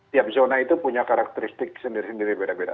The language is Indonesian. tiap zona itu punya karakteristik sendiri sendiri beda beda